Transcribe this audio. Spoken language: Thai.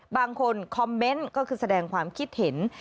บางคนคอมเมนต์ก็คือแสดงความคิดเห็น